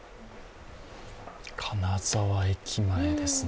金沢駅前ですね。